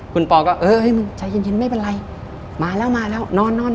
คุณพ่อก็เฮ้ยมึงใจเย็นไม่เป็นไรมาแล้วนอนนอน